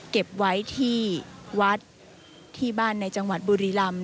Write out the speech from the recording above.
เก็บไว้ที่วัดที่บ้านในจังหวัดบุรีลำ